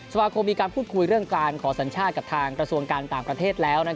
สมาคมมีการพูดคุยเรื่องการขอสัญชาติกับทางกระทรวงการต่างประเทศแล้ว